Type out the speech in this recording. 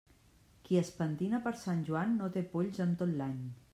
Qui es pentina per Sant Joan no té polls en tot l'any.